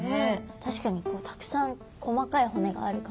確かにたくさん細かい骨がある感じですね。